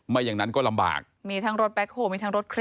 ไม่อย่างนั้นก็ลำบากมีทั้งรถแบ็คโฮลมีทั้งรถเครน